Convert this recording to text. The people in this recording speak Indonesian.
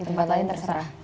di tempat lain terserah